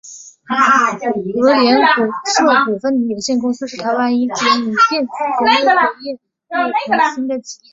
禾联硕股份有限公司是台湾一间以电子工业为业务核心的企业。